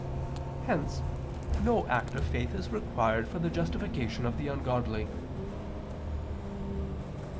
Hence no act of faith is required for the justification of the ungodly.